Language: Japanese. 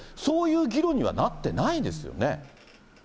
そういう議論にはなってないですよね。